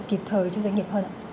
kịp thời cho doanh nghiệp hơn ạ